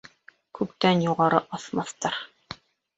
Күктән юғары аҫмаҫтар